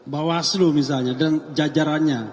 bawaslu misalnya dan jajarannya